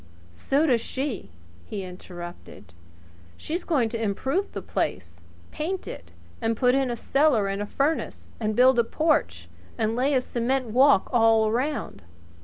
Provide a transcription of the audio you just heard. "So does she," he interrupted. "She's going to improve the place paint it, and put in a cellar and a furnace, and build a porch, and lay a cement walk all round."